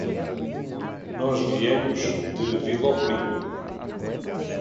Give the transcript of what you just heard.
Nós viemos de Vilopriu.